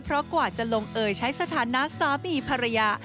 เพราะกว่าจะลงเอยใช้สถานะสามีภรรยา